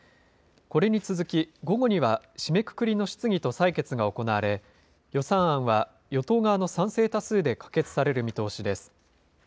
これに続き午後には締めくくりの質疑と採決が行われ、予算案は与党側の賛成多数で可決される見通しです。